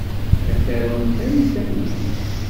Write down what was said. Ad tarumt tansa-nni.